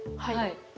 はい。